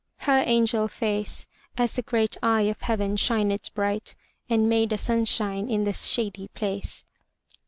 Her angel face As the great eye of heaven shined bright, And made a sunshine in the shady place.